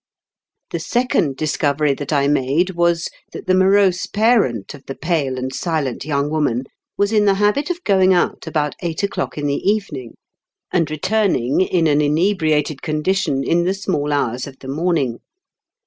The second discovery that I made was^ that the morose parent of the pale and silent young woman was in the habit of going out # 174 IN KENT WITH CEABLE8 DICKENS. about eight o'clock in the evening, and return ing in an inebriated condition in the smaU hours of the morning.